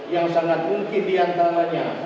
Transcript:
yang sangat mungkin di antaranya